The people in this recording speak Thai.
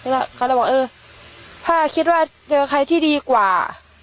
ก็เลยบอกเออถ้าคิดว่าเจอใครที่ดีกว่า